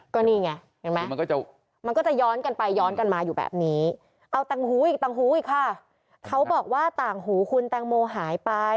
ก็นี่ไงเห็นไหมมันก็จะมันก็จะย้อนกันไปย้อนกันมาอยู่แบบนี้เอาต่างหูอีกต่างหูอีกค่ะเขาบอกว่าต่างหูคุณแตงโมหายไป